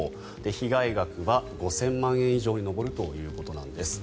被害額は５０００万円以上に上るということなんです。